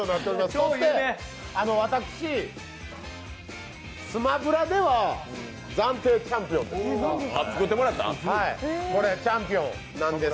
そして、私、「スマブラ」では暫定チャンピオンです。